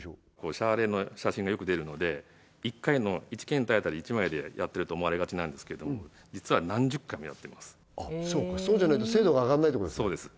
シャーレの写真がよく出るので１検体当たり１枚でやってると思われがちなんですけど実は何十回もやってますそうかそうじゃないと精度が上がらないってことですか